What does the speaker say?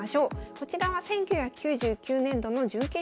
こちらは１９９９年度の準決勝。